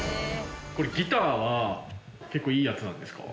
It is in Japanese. ギターは結構いいやつなんですか？